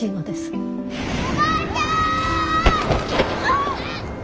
あっ！